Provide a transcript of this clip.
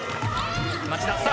町田さあ